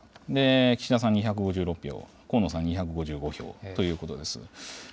岸田さん２５６票、河野さん２５５票ということです。